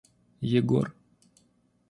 Егор